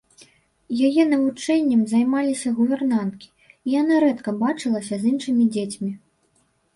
Яе навучаннем займаліся гувернанткі, і яна рэдка бачылася з іншымі дзецьмі.